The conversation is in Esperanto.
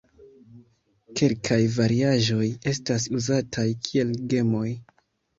Kelkaj variaĵoj estas uzataj kiel gemoj.